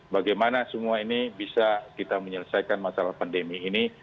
bagaimana semua ini bisa kita menyelesaikan masalah pandemi ini